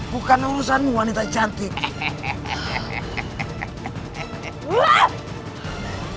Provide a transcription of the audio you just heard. bukan urusan wanita cantik